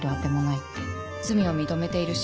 罪を認めているし